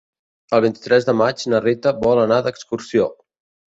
El vint-i-tres de maig na Rita vol anar d'excursió.